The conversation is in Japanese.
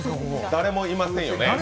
誰もいませんよね。